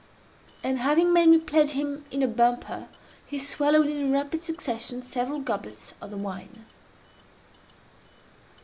And, having made me pledge him in a bumper, he swallowed in rapid succession several goblets of the wine.